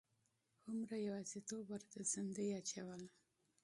هومره یوازیتوب ورته زندۍ اچوله.